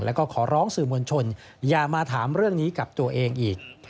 แล้วก็ขอร้องสื่อมวลชนอย่ามาถามเรื่องนี้กับตัวเองอีก